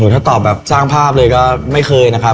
ถ้าตอบแบบสร้างภาพเลยก็ไม่เคยนะครับ